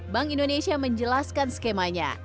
bank indonesia menjelaskan skemanya